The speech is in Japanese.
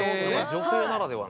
女性ならではの。